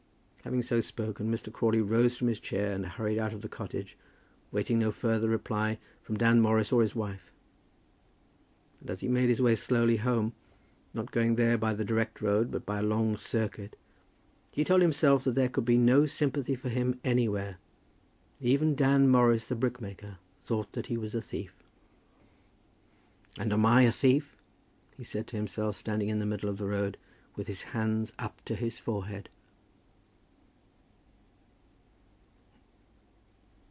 Having so spoken, Mr. Crawley rose from his chair and hurried out of the cottage, waiting no further reply from Dan Morris or his wife. And as he made his way slowly home, not going there by the direct road, but by a long circuit, he told himself that there could be no sympathy for him anywhere. Even Dan Morris, the brickmaker, thought that he was a thief. "And am I a thief?" he said to himself, standing in the middle of the road, with his hands up to his forehead.